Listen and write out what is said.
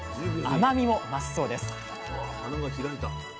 甘みも増すそうです